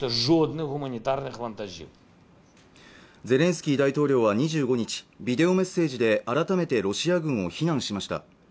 ゼレンスキー大統領は２５日ビデオメッセージで改めてロシア軍を非難しました